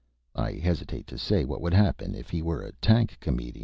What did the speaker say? I hesitate to say what would happen if he were a tank comedian."